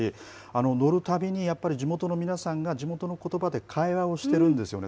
乗るたびに地元の皆さんが地元のことばで会話をしているんですよね。